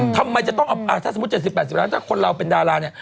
ถ้าสมมุติ๗๐๘๐ล้านถ้าคนเราเป็นดาราเนี่ย